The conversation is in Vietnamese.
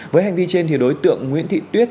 với hành vi trên đối tượng nguyễn thị tuyết